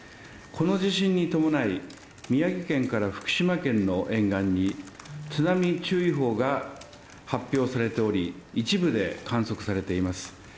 この地震に伴い、宮城県から福島県の沿岸に津波注意報が発表されており、一部で観測されています。